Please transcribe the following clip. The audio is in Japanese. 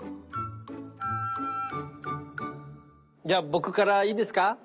じゃあ僕からいいですか？